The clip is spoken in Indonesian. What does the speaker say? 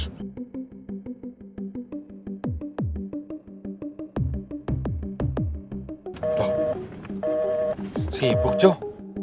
tuh sibuk joh